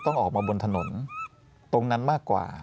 ต้องออกมาบนถนนตรงนั้นมากกว่า